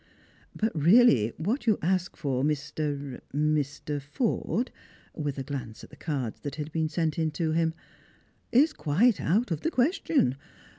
"But really what you ask for, Mr.— Mr. Forde," with a glance at the cards that had been sent in to him, " is quite out of the question.